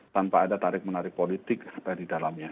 tanpa ada tarik menarik politik di dalamnya